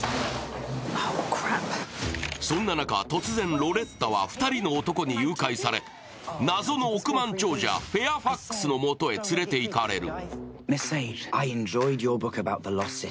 そんな中、突然ロレッタは２人の男に誘拐され、謎の億万長者フェアファックスのもとへ連れていかれる。